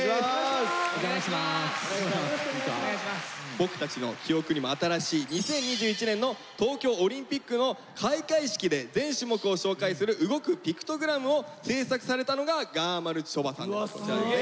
僕たちの記憶にも新しい２０２１年の東京オリンピックの開会式で全種目を紹介する動くピクトグラムを制作されたのががまるちょばさん。